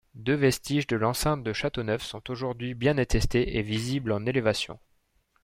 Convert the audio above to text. Deux vestiges de l'enceinte de Châteauneuf sont aujourd'hui bien attestés et visibles en élévation.